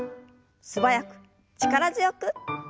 素早く力強く。